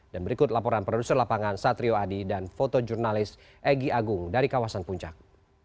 dan berikut laporan produser lapangan satrio adi dan fotojurnalis egy agung dari kawasan puncak